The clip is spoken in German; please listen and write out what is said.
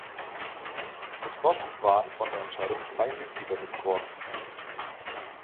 Betroffen waren von der Entscheidung drei Mitglieder des Corps.